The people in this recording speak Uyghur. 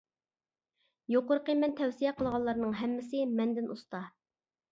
يۇقىرىقى مەن تەۋسىيە قىلغانلارنىڭ ھەممىسى مەندىن ئۇستا.